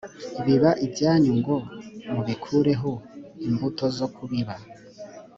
biba ibyanyu ngo mubikureho imbuto zo kubiba